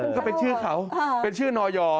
ก็เป็นชื่อเขาเป็นชื่อนอย